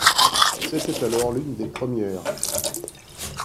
C'était alors l'une des premières.